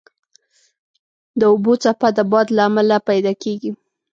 د اوبو څپه د باد له امله پیدا کېږي.